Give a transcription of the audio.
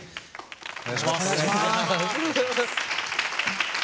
お願いします。